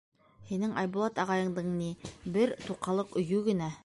Һинең Айбулат ағайыңдың ни, бер туҡалыҡ өйө генә.